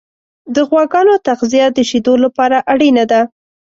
د غواګانو تغذیه د شیدو لپاره اړینه ده.